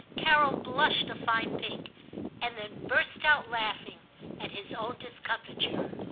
Carol blushed a fine pink, and then burst out laughing at his own discomfiture.